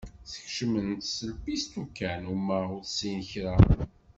Sskecmen-tt s lpisṭu kan, uma ur tessin kra.